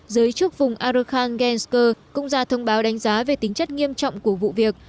giới chức vùng arkhangelsk cũng ra thông báo đánh giá về tính chất nghiêm trọng của vụ việc